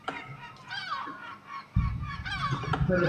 Esto es sabido gracias a las herramientas y restos encontrados en ellos.